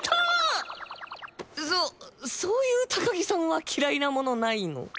そそういう高木さんは嫌いなものないの？